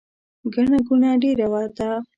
ګڼه ګوڼه ډیره ده